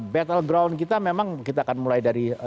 battleground kita memang kita akan mulai dari jawa tenggara